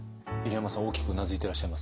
入山さん大きくうなずいてらっしゃいますが。